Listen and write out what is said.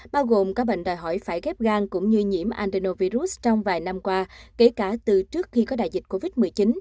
bao gồm các bệnh đòi hỏi phải ghép gan cũng như nhiễm andenovirus trong vài năm qua kể cả từ trước khi có đại dịch covid một mươi chín